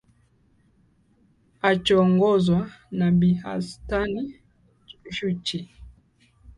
achoongozwa na bi anstan shuchi